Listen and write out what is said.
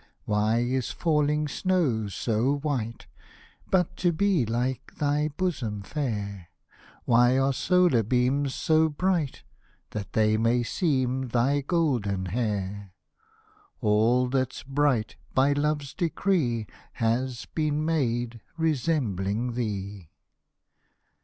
Why is falling snow so white, But to be like thy bosom fair 1 Why are solar beams so bright ? That they may seem thy golden hair 1 All that's bright, by Love's decree, Has been made resembling thee